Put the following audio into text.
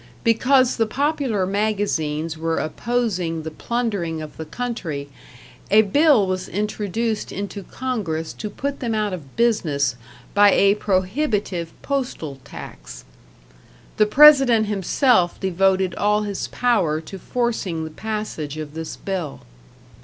Because the popular magazines were opposing the plundering of the country, a bill was introduced into Congress to put them out of business by a prohibitive postal tax; the President himself devoted all his power to forcing the passage of this bill.